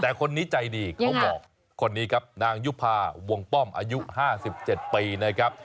แต่คนนี้ใจดีเขาบอกคนนี้ครับนางยุภาวงป้อมอายุ๕๗ปีนะครับ